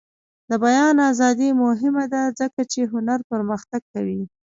د بیان ازادي مهمه ده ځکه چې هنر پرمختګ کوي.